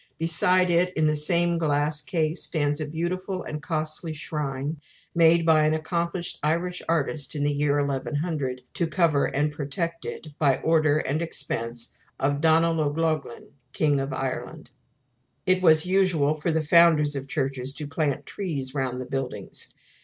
Beside it in the same glass case stands a beautiful and costly shrine, made by an accomplished Irish artist about the year 1100, to cover and protect it, by order and at the expense of Donall O'Loghlin, king of Ireland. It was usual for the founders of churches to plant trees round the buildings.